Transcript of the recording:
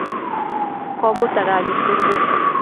Komuta ga kipsengwet